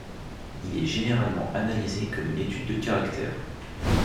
Il est généralement analysé comme une étude de caractère.